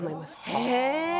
へえ！